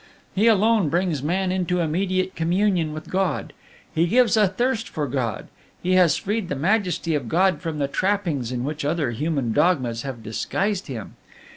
He alone brings man into immediate communion with God, he gives a thirst for God, he has freed the majesty of God from the trappings in which other human dogmas have disguised Him.